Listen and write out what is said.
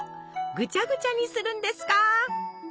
ぐちゃぐちゃにするんですか？